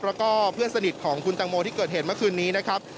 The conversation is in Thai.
แล้วก็เพื่อนสนิทของคุณตังโมที่เกิดเหตุเมื่อคืนนี้นะครับ